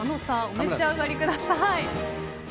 お召し上がりください。